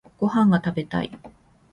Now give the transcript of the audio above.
ご飯が食べたい。